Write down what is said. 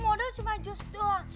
mau ada cuma jus doang